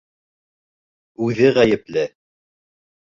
Үҙе ғәйепле.